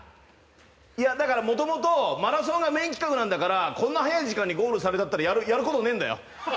だから、もともとマラソンがメイン企画なんだからこんな早い時間にゴールされちゃったらやることねえんだよ。